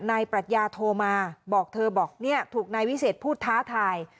ปรัชญาโทรมาบอกเธอบอกเนี่ยถูกนายวิเศษพูดท้าทาย